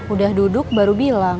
udah duduk baru bilang